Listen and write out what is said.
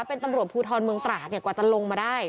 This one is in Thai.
เป็นตำรวจภูทรเมืองตราดกว่าจะลงมาได้